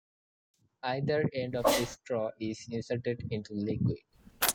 Either end of the straw is inserted into liquid.